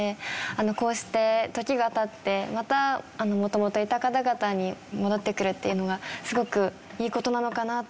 こうして時が経ってまた元々いた方々に戻ってくるっていうのはすごくいい事なのかなと思いましたね。